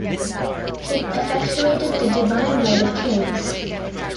It effectuated the divine right of kings.